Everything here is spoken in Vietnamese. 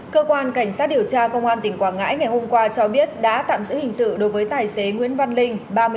cơ quan cảnh sát điều tra công an tỉnh quảng ngãi ngày hôm qua cho biết đã tạm giữ hình sự đối với tài xế nguyễn văn linh